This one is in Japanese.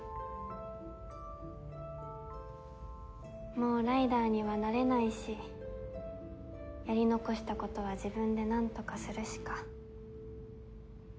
もうライダーにはなれないしやり残したことは自分でなんとかするしか。